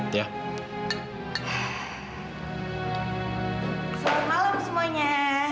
selamat malam semuanya